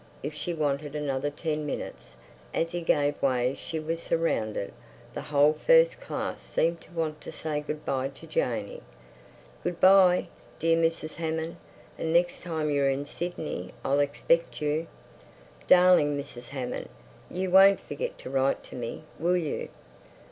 If she wanted another ten minutes—As he gave way she was surrounded. The whole first class seemed to want to say good bye to Janey. "Good bye, dear Mrs. Hammond! And next time you're in Sydney I'll expect you." "Darling Mrs. Hammond! You won't forget to write to me, will you?"